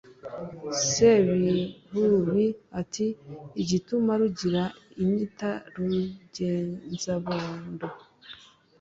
sebihubi ati " igituma rugira anyita rugenzabondo,